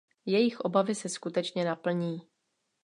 Jejich obavy se skutečně naplní.